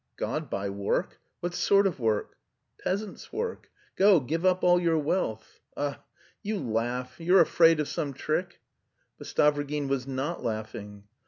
"God by work? What sort of work?" "Peasants' work. Go, give up all your wealth.... Ah! you laugh, you're afraid of some trick?" But Stavrogin was not laughing.